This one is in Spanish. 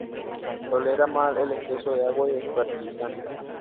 Tolera mal el exceso de agua y de fertilizantes.